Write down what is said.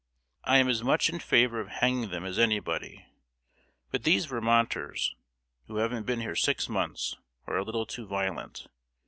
"I am as much in favor of hanging them as anybody; but these Vermonters, who haven't been here six months, are a little too violent.